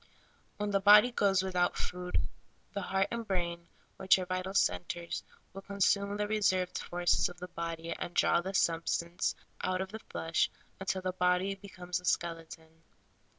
When the body goes without food, the heart and brain, which are vital centers, will consume the reserved forces of the body and draw the substance out of the flesh until the body becomes a skeleton.